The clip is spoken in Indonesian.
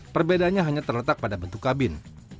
perbedaannya hanya terletak pada bentuk kabin